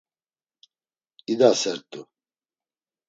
İdasert̆u.